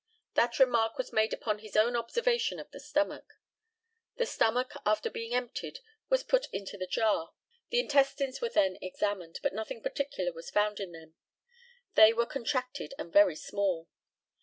That remark was made upon his own observation of the stomach. The stomach, after being emptied, was put into the jar. The intestines were then examined, but nothing particular was found in them. They were contracted and very small.